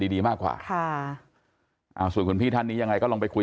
ดีดีมากกว่าค่ะอ่าส่วนคุณพี่ท่านนี้ยังไงก็ลองไปคุย